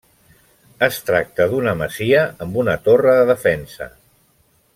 Es tracta d'una masia amb una torre de defensa.